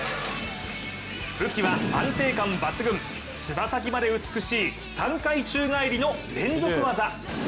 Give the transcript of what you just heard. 武器は安定感抜群、爪先まで美しい３回宙返りの連続技。